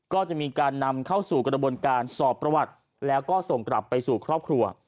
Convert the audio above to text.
ก็จะมีการนำเข้าสู่กระบวนการสอบประวัติแล้วก็ส่งกลับไปสู่ครอบครัว